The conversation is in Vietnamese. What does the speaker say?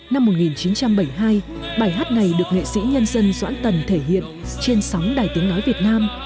năm một nghìn chín trăm bảy mươi hai bài hát này được nghệ sĩ nhân dân doãn tần thể hiện trên sóng đài tiếng nói việt nam